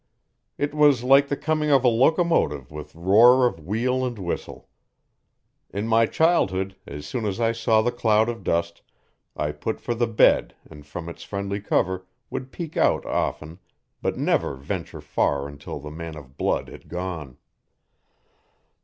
It was like the coming of a locomotive with roar of wheel and whistle. In my childhood, as soon as I saw the cloud of dust, I put for the bed and from its friendly cover would peek out' often, but never venture far until the man of blood had gone.